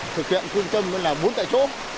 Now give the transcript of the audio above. thực hiện phương châm là bốn tại chỗ